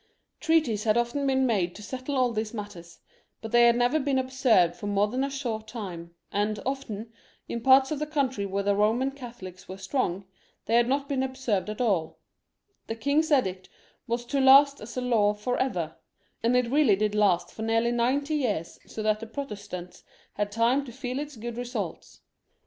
Treaties had often been made to settle aU these matters, but they had never been observed for more than a short time, and often, in parts of the country where the Eoman Catholics were strong, they had not been observed at alL The king's edict was to last as a law for ever, and it really did last for nearly ninety years, so that the Protestants had time to feel its good results.